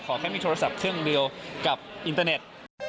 แค่มีโทรศัพท์เครื่องเดียวกับอินเตอร์เน็ต